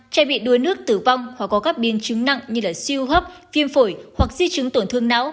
trai bị đua nước tử vong hoặc có các biên chứng nặng như siêu hấp viêm phổi hoặc di chứng tổn thương não